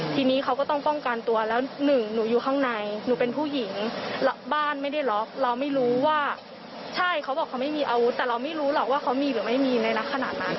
ทีนี้เขาก็ต้องป้องกันตัวแล้วหนึ่งหนูอยู่ข้างในหนูเป็นผู้หญิงบ้านไม่ได้ล็อกเราไม่รู้ว่าใช่เขาบอกเขาไม่มีอาวุธแต่เราไม่รู้หรอกว่าเขามีหรือไม่มีในลักษณะนั้น